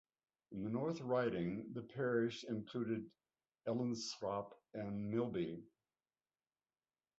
In the North Riding the parish included Ellenthorpe and Milby.